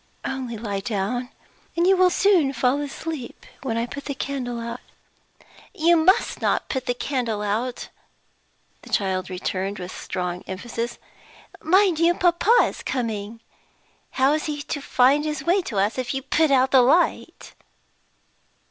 Only lie down, and you will soon fall asleep when I put the candle out." "You must not put the candle out!" the child returned, with strong emphasis. "My new papa is coming. How is he to find his way to us, if you put out the light?"